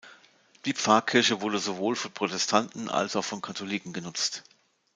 Die Pfarrkirche wurde sowohl von Protestanten als auch von Katholiken genutzt.